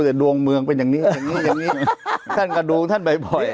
แต่ดวงเมืองเป็นอย่างงี้อย่างงี้อย่างงี้ท่านก็ดูท่านบ่อยบ่อย